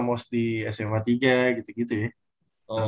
bos di sma tiga gitu gitu ya